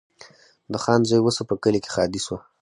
د خان زوی وسو په کلي کي ښادي سوه